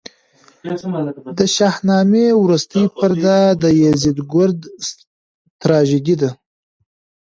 د شاهنامې وروستۍ پرده د یزدګُرد تراژیدي ده.